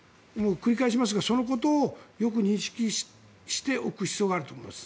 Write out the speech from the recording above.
繰り返しますがそのことをよく認識しておく必要があると思います。